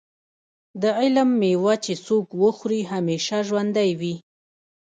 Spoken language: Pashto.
د علم مېوه چې څوک وخوري همیشه ژوندی وي.